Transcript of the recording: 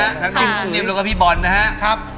ทั้งที่นิ้มแล้วกับพี่บอลนะฮะ